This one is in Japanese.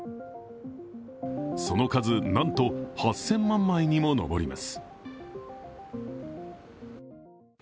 その数なんと８０００万枚にも上ります。